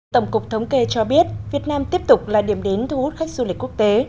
tổng cục thống kê cho biết việt nam tiếp tục là điểm đến thu hút khách du lịch quốc tế